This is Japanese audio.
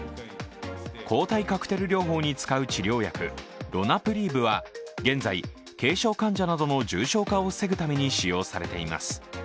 抗体カクテル療法に使う治療薬ロナプリーブは、現在、軽症患者などの重症化を防ぐために使用されています。